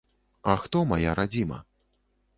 А хто мая радзіма?